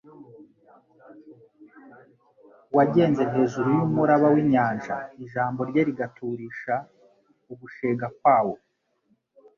Uwagenze hejuru y'umuraba w'inyanja, ijambo rye rigaturisha ugushega kwawo,